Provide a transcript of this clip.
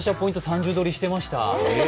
三重取りしてました。